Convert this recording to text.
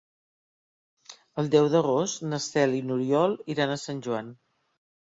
El deu d'agost na Cel i n'Oriol iran a Sant Joan.